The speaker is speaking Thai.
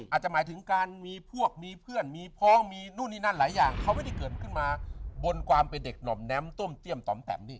อาจจะหมายถึงการมีพวกมีเพื่อนมีพ้องมีนู่นนี่นั่นหลายอย่างเขาไม่ได้เกิดขึ้นมาบนความเป็นเด็กหน่อมแน้มต้มเตี้ยมต่อมแต่มนี่